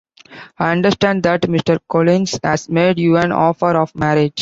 I understand that Mr. Collins has made you an offer of marriage.